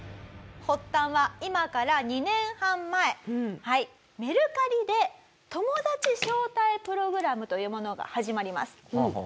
発端は今から２年半前メルカリで友達招待プログラムというものが始まります。